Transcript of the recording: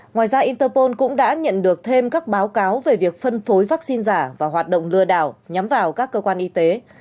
ngoài ra interpol cũng đã nhận được thêm các báo cáo về việc phân phối vaccine giả và hoạt động lừa đảo nhắm vào các cơ quan y tế